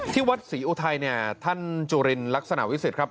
ที่วัดศรีอุทัยท่านจุรินรักษณวิสิทธิ์ครับ